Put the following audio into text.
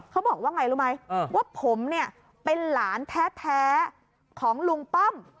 เขาบอกว่าไงรู้ไหมว่าผมเนี่ยเป็นหลานแท้ของลุงป้อม